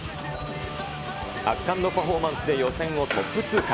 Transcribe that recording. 圧巻のパフォーマンスで予選をトップ通過。